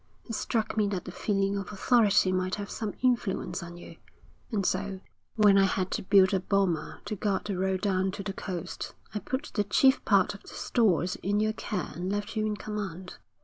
It struck me that the feeling of authority might have some influence on you, and so, when I had to build a boma to guard the road down to the coast, I put the chief part of the stores in your care and left you in command.